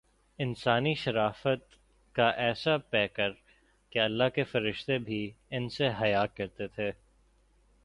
انسانی شرافت کاایسا پیکرکہ اللہ کے فرشتے بھی ان سے حیا کرتے تھے۔